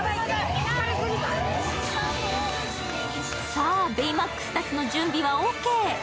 さあ、ベイマックスたちの準備はオーケー。